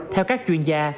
theo các chuyên gia